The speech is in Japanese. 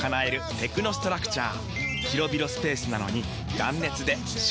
テクノストラクチャー！